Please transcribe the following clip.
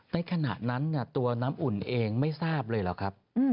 ในขณะนั้นตัวน้ำอุ่นเองไม่ทราบเลยหรอกครับ